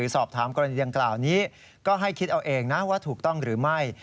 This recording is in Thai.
สอบถามกรณีดังกล่าวนี้ก็ให้คิดเอาเองนะว่าถูกต้องหรือไม่